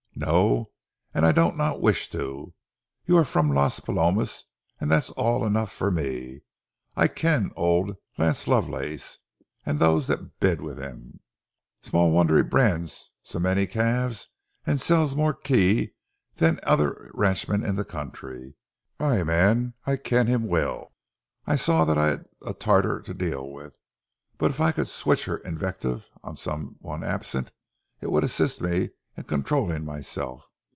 "No, an' I dinna wish it. You are frae Las Palomas, an' that's aye enough for me. I ken auld Lance Lovelace, an' those that bide wi' him. Sma' wonder he brands sae mony calves and sells mair kye than a' the ither ranchmen in the country. Ay, man, I ken him well." I saw that I had a tartar to deal with, but if I could switch her invective on some one absent, it would assist me in controlling myself.